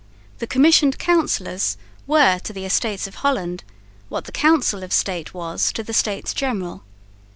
_ The Commissioned Councillors were to the Estates of Holland what the Council of State was to the States General.